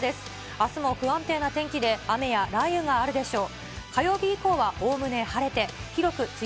あすも不安定な天気で、雨や雷雨があるでしょう。